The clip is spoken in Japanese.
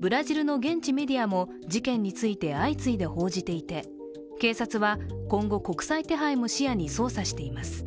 ブラジルの現地メディアも事件について相次いで報じていて警察は今後、国際手配も視野に捜査しています。